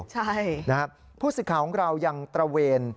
ใช่นะครับผู้สื่อข่าวของเรายังตระเวน